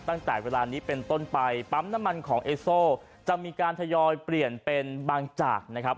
ตั้งแต่เวลานี้เป็นต้นไปปั๊มน้ำมันของเอโซจะมีการทยอยเปลี่ยนเป็นบางจากนะครับ